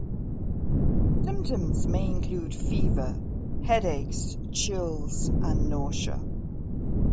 Symptoms may include fever, headaches, chills, and nausea.